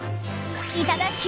いただき！